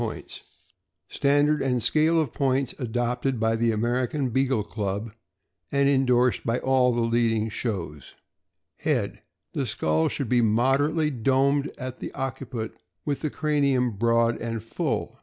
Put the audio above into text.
287 Standard and scale of points adopted by the American Beagle Club, and indorsed by all the leading shows: Head. — The skull should be moderately domed at the occiput, with the cranium broad and full.